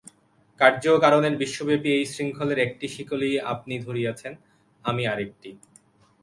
কার্য ও কারণের বিশ্বব্যাপী এই শৃঙ্খলের একটি শিকলি আপনি ধরিয়াছেন, আমি আর একটি।